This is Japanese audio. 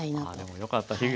ああでもよかった。